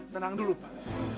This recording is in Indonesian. tenang dulu pak